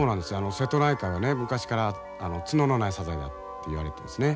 瀬戸内海はね昔から角のないサザエだっていわれてますね。